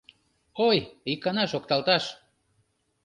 Ой, икана шокталташ.